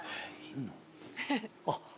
あっ。